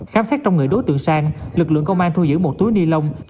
khám xét trong người đối tượng sang lực lượng công an thu giữ một túi ni lông